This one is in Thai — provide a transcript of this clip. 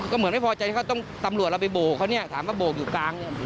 ก็เหมือนไม่พอใจที่เขาต้องตำรวจเราไปโบกเขาเนี่ยถามว่าโบกอยู่กลาง